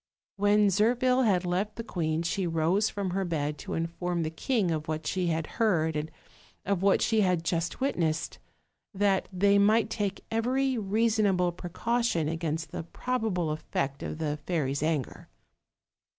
When Zirphil had left the queen she rose from her bed to inform the king of what she had heard and of what she had just witnessed, that they might take every reasonable precaution against the probable effect of the fairy's anger.